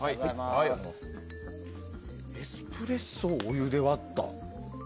エスプレッソをお湯で割った。